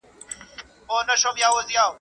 نو د وینو په سېلاب کي ستاسی کوردی ..